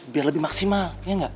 biar lebih maksimal ya nggak